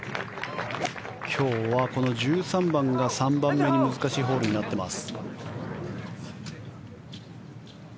今日はこの１３番が３番目に難しいホールになっています。